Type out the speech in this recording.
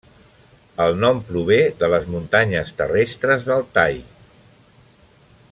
El nom prové de les muntanyes terrestres d'Altai.